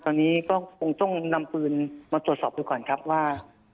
ตอนนี้ก็คงต้องนำปืนมาตรวจสอบดูก่อนครับว่า